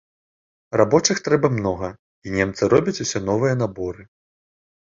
Рабочых трэба многа, і немцы робяць усё новыя наборы.